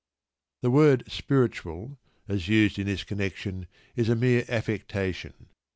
The word "spiritual," as used in this connection, is a mere affectation.